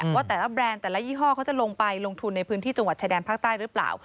ว่าแต่ละแบรนด์แต่ละยี่ห้อเขาจะลงไปลงทุนในพื้นที่จังหวัดชายแดนภาคใต้หรือเปล่า